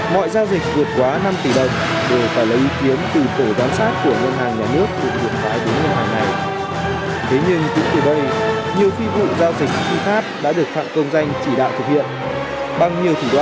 mọi giao dịch vượt quá năm tỷ đồng đều phải lấy ý kiến từ tổ quan sát của ngân hàng